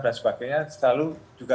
dan sebagainya selalu juga